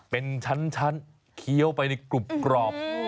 เป็นชั้นเคี้ยวไปในกรุบกรอบ